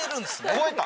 超えた。